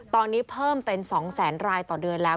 ตอนนี้เพิ่มเป็น๒แสนรายต่อเดือนแล้ว